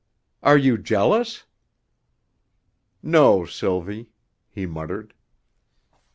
"Are you jealous?" "No, Sylvie," he muttered.